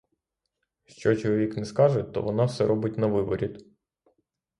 Що чоловік не скаже, то вона все робить навиворіт.